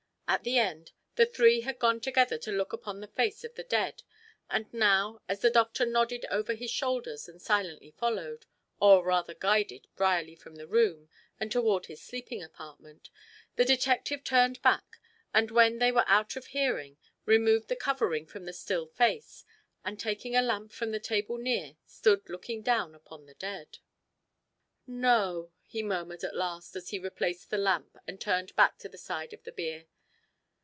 At the end, the three had gone together to look upon the face of the dead, and now, as the doctor nodded over his shoulders and silently followed, or, rather, guided Brierly from the room and toward his sleeping apartment, the detective turned back, and when they were out of hearing, removed the covering from the still face, and taking a lamp from the table near, stood looking down upon the dead. "No," he murmured at last, as he replaced the lamp and turned back to the side of the bier.